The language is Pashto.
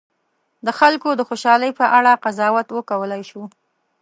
د خلکو د خوشالي په اړه قضاوت وکولای شو.